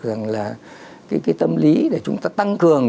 cái tâm lý để chúng ta tăng cường